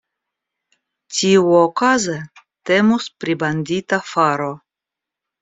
Tiuokaze, temus pri bandita faro.